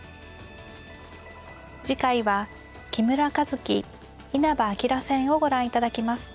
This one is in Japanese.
次回は木村一基稲葉陽戦をご覧いただきます。